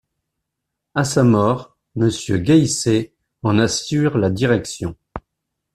À sa mort, Monsieur Gaïsset en assure la direction.